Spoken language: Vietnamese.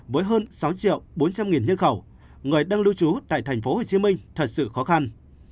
với hơn sáu triệu bốn trăm linh nghìn nhân khẩu người đang lưu trú tại thành phố hồ chí minh thật sự khó khăn